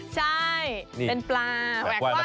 ใช่เป็นปลาแวะกว้าในท้อง